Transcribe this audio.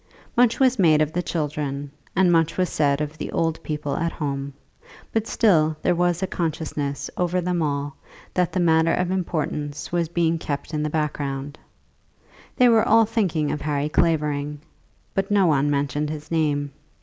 Much was made of the children, and much was said of the old people at home; but still there was a consciousness over them all that the one matter of importance was being kept in the background. They were all thinking of Harry Clavering, but no one mentioned his name.